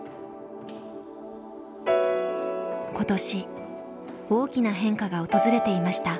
今年大きな変化が訪れていました。